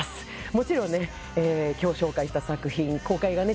もちろんねきょう紹介した作品公開がね